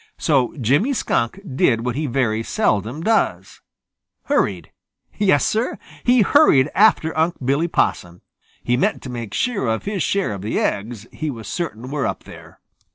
So Jimmy Skunk did what he very seldom does hurried. Yes, Sir, he hurried after Unc' Billy Possum. He meant to make sure of his share of the eggs he was certain were up there.